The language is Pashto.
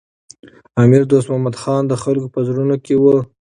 امیر دوست محمد خان د خلکو په زړونو کي و.